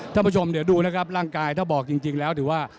ท่านผู้ชมเดี๋ยวดูนะครับร่างกายถ้าบอกจริงแล้วถือว่า